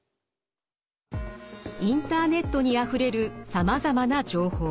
インターネットにあふれるさまざまな情報。